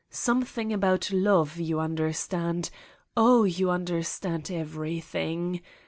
Something about love, you understand. Oh, you understand everything.